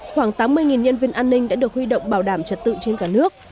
khoảng tám mươi nhân viên an ninh đã được huy động bảo đảm trật tự trên cả nước